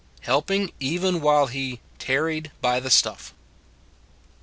Helping even while he " tarried by the stuff."